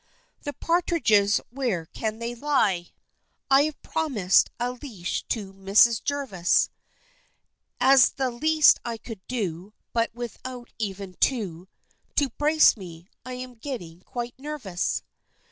The partridges, where can they lie? I have promis'd a leash to Miss Jervas, As the least I could do; But without even two To brace me, I'm getting quite nervous!